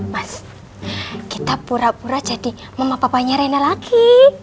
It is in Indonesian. mas kita pura pura jadi mama bapaknya reina lagi